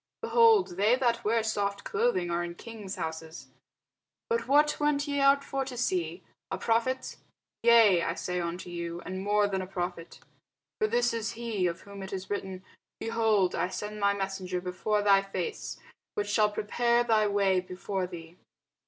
behold, they that wear soft clothing are in kings' houses. But what went ye out for to see? A prophet? yea, I say unto you, and more than a prophet. For this is he, of whom it is written, Behold, I send my messenger before thy face, which shall prepare thy way before thee.